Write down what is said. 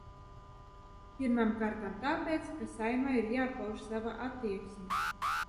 Pirmām kārtām tāpēc, ka Saeimai ir jāpauž sava attieksme.